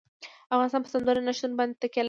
افغانستان په سمندر نه شتون باندې تکیه لري.